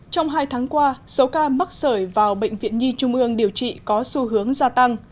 trong hai tháng qua số ca mắc sởi vào bệnh viện nhi trung ương điều trị có xu hướng gia tăng